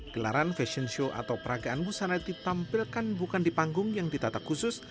gelaran fashion show atau peragaan busana ditampilkan bukan di panggung yang ditata khusus